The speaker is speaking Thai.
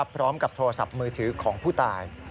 พร้อมกับโทรศัพท์มือถือของผู้ตาย